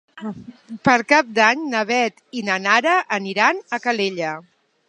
Per Cap d'Any na Beth i na Nara aniran a Calella.